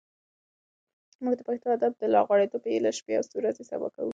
موږ د پښتو ادب د لا غوړېدو په هیله شپې او ورځې سبا کوو.